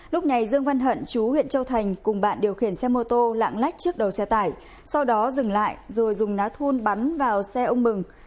lúc này dương văn hận chú huyện châu thành cùng bạn điều khiển xe mô tô lạng lách trước đầu xe tải sau đó dừng lại rồi dùng ná thun bắn vào xe ông mừng